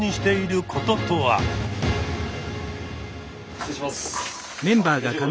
失礼します。